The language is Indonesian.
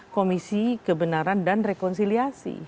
komisi kebenaran dan rekonsiliasi